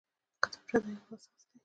کتابچه د علم اساس دی